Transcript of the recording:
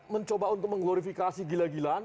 mencoba untuk mengglorifikasi gila gilaan